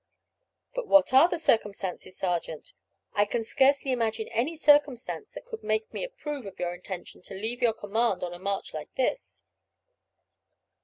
"But what are the circumstances, sergeant? I can scarcely imagine any circumstance that could make me approve of your intention to leave your command on a march like this."